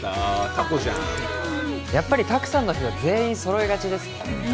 タコじゃんやっぱり拓さんの日は全員揃いがちですね